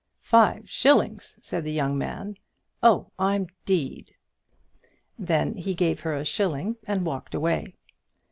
"Five shillings!" said the young man. "Oh, I'm d " Then he gave her a shilling and walked away.